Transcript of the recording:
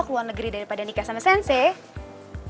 keluar negeri daripada nikah sama sensei